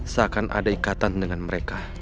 seakan ada ikatan dengan mereka